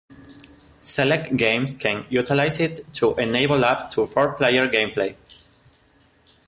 Select games can utilize it to enable up to four-player gameplay.